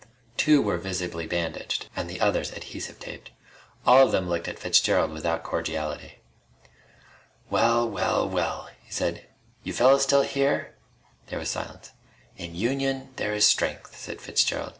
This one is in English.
Two were visibly bandaged, and the others adhesive taped. All of them looked at Fitzgerald without cordiality. "Well, well, well!" he said. "You fellas still here!" There was silence. "In union there is strength," said Fitzgerald.